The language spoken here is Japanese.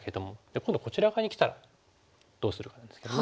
今度こちら側にきたらどうするかなんですけどもね。